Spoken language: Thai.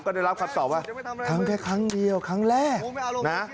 ก็ได้รับคำตอบว่าทำแค่ครั้งเดียวครั้งแรกนะ